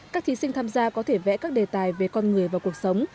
các thí sinh tham gia có thể vẽ các đề tài về con người và cuộc sống